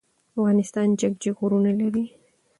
افغانستان جګ جګ غرونه لری.